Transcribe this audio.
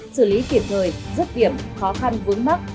xử lý kiểm thời giúp điểm khó khăn vướng mắc